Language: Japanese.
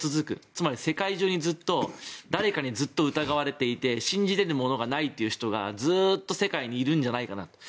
つまり、世界中でずっと誰かに疑われていて信じられるものがないという人がずっと世界にいるんじゃないかなと。